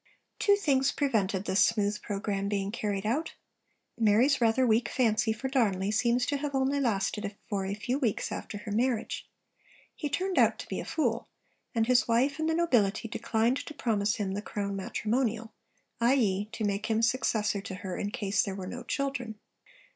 Two things prevented this smooth programme being carried out. Mary's rather weak fancy for Darnley seems to have only lasted for a few weeks after her marriage. He turned out to be a fool; and his wife and the nobility declined to promise him the Crown matrimonial, i.e., to make him successor to her in case there were no children.